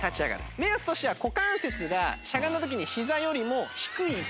目安としては股関節がしゃがんだ時にひざよりも低い位置。